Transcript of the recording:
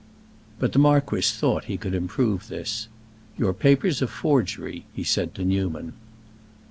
But the marquis thought he could improve this. "Your paper's a forgery," he said to Newman.